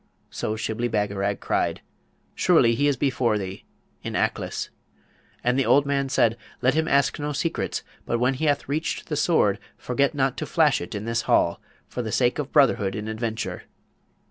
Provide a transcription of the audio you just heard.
So Shibli Bagarag cried, 'Surely he is before thee, in Aklis.' And the old man said, 'Let him ask no secrets; but when he hath reached the Sword forget not to flash it in this hall, for the sake of brotherhood in adventure.'